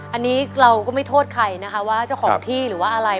อันนี้เราก็ไม่โทษใครนะคะว่าเจ้าของที่หรือว่าอะไร